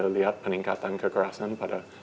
melihat peningkatan kekerasan pada